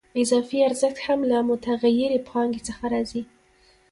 اضافي ارزښت هم له متغیرې پانګې څخه راځي